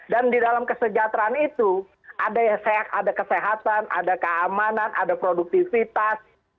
dan di dalam kesejahteraan itu ada kesehatan ada keamanan ada produktivitas